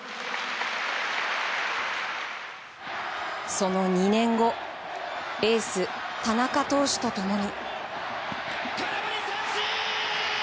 その２年後エース田中投手と共に。